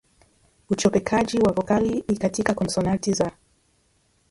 Uchopekaji wa vokali i katika konsonanti za